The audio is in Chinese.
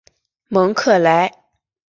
蒙克莱。